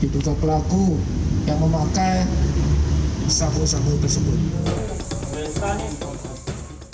duta pelaku yang memakai sabu sabu tersebut